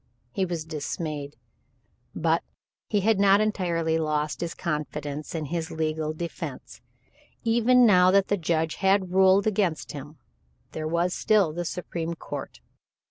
He was dismayed, but he had not entirely lost confidence in his legal defense, even now that the judge had ruled against him. There was still the Supreme Court.